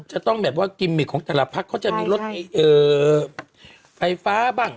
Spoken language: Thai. จะต้องแบบว่ากิมมิกของแต่ละพักเขาจะมีรถไฟฟ้าบ้าง